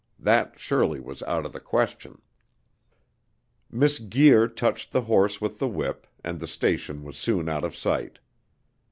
That surely was out of the question. Miss Guir touched the horse with the whip, and the station was soon out of sight.